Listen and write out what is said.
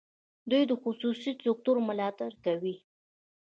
دوی د خصوصي سکټور ملاتړ کوي.